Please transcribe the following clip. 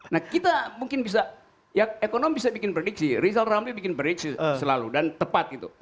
nah kita mungkin bisa ya ekonomi bisa bikin prediksi rizal ramli bikin bridge selalu dan tepat gitu